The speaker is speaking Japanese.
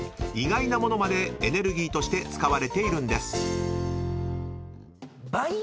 ［意外な物までエネルギーとして使われているんです］